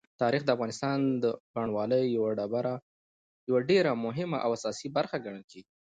تاریخ د افغانستان د بڼوالۍ یوه ډېره مهمه او اساسي برخه ګڼل کېږي.